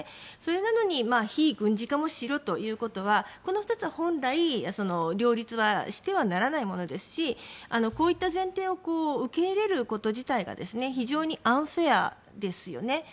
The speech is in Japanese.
それなのに非軍事化もしろということはこの２つは本来両立はしてはならないものですしこういった前提を受け入れること自体が非常にアンフェアですよね。